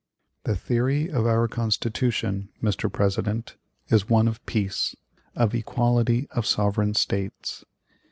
"The theory of our Constitution, Mr. President, is one of peace, of equality of sovereign States.